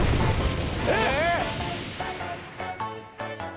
え！